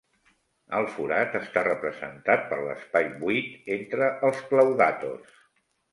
El forat està representat per l'espai buit entre els claudàtors.